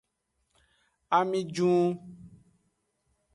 Ami jun.